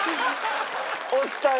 押したよ。